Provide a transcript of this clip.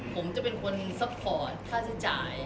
ผมจะเป็นคนซัพพอร์ตค่าใช้จ่าย